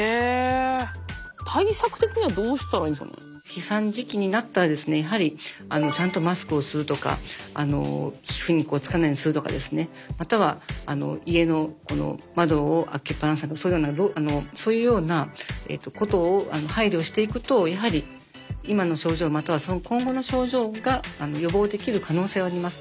飛散時期になったらですねやはりちゃんとマスクをするとか皮膚につかないようにするとかですねまたは家の窓を開けっ放さないそういうようなことを配慮していくとやはり今の症状または今後の症状が予防できる可能性はあります。